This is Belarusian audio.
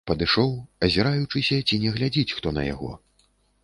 Падышоў, азіраючыся, ці не глядзіць хто на яго.